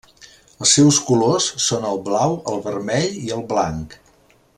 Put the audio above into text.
Els seus colors són el blau, el vermell i el blanc.